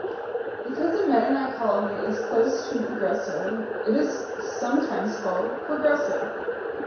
Because the Mennonite colony is close to Progresso, it is sometimes called "Progresso".